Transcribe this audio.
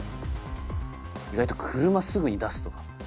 意外と車すぐに出すとか。